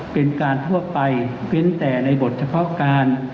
เป็นการทั่วไปเว้นแต่ในบทเฉพาะการ